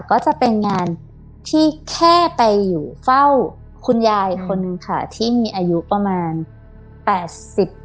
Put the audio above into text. ก็จะเป็นงานที่แค่ไปอยู่เฝ้าคุณยายคนนึงค่ะที่มีอายุประมาณ๘๐ปี